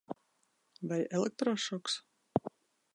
Vai elektrošoks?